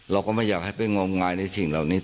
เราก็ไม่อยากให้ไปงมงายในสิ่งเหล่านี้